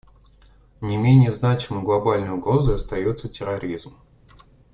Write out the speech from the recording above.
Не менее значимой глобальной угрозой остается терроризм.